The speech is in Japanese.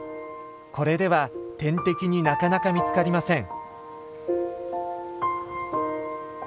これでは天敵になかなか見つかりません。